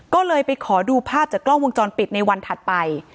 ก็เลยไปขอดูภาพจากกล้องวงจรปิดในวันถัดไป